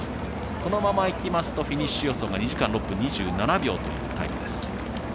このままいきますとフィニッシュ予想が２時間６分２７秒というタイム予想です。